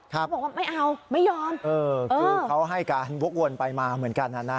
เขาบอกว่าไม่เอาไม่ยอมคือเขาให้การวกวนไปมาเหมือนกันนะนะ